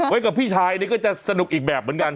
กับพี่ชายนี่ก็จะสนุกอีกแบบเหมือนกัน